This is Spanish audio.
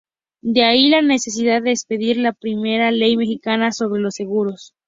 De ahí la necesidad de expedir la primera Ley mexicana sobre los seguros.